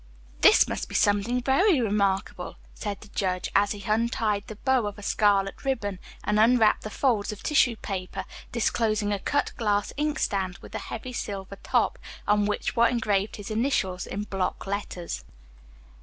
"This must be something very remarkable," said the judge, as he untied the bow of scarlet ribbon and unwrapped the folds of tissue paper, disclosing a cut glass inkstand, with a heavy silver top, on which were engraved his initials in block letters.